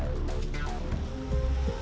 rumah basah terdekat